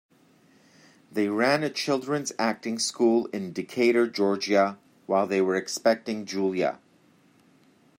They ran a children's acting school in Decatur, Georgia, while they were expecting Julia.